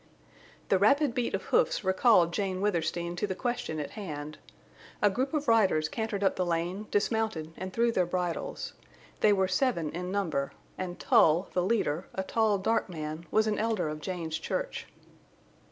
The rapid beat of hoofs recalled Jane Withersteen to the question at hand. A group of riders cantered up the lane, dismounted, and threw their bridles. They were seven in number, and Tull, the leader, a tall, dark man, was an elder of Jane's church.